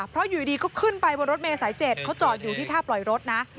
เพราะอยู่ดีก็ขึ้นไปบนรถเมย์สาย๗เขาจอดอยู่ที่ท่าปล่อยรถนะ